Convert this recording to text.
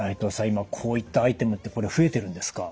今こういったアイテムってこれ増えてるんですか？